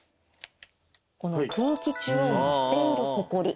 この空気中を舞っているホコリ。